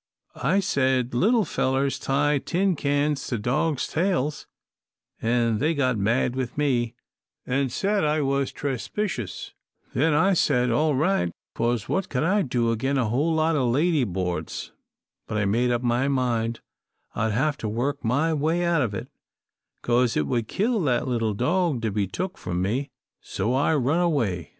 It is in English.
I said, 'Little fellers tie tin cans to dogs' tails' an' then they got mad with me an' said I was trespicious. Then I said, 'All right,' 'cause what could I do agin a whole lot o' lady boards? But I made up my mind I'd have to work my way out of it, 'cause it would kill that little dog to be took from me. So I run away."